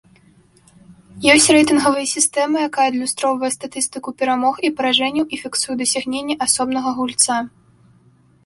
Ёсць рэйтынгавая сістэма, якая адлюстроўвае статыстыку перамог і паражэнняў і фіксуе дасягнення асобнага гульца.